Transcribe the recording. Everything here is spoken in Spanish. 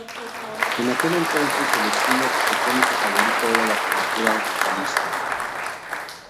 En aquel entonces, el estilo arquitectónico favorito era la arquitectura brutalista.